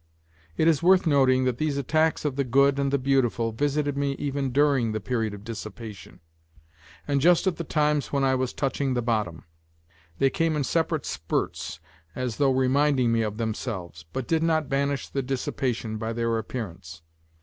It is worth noting that these attacks of the " good and the beautiful " visited me even during the period of dissipation and just at the times when I was touching the bottom. They came in separate spurts, as though reminding me of themselves, but did not banish the dissipation by their appearance.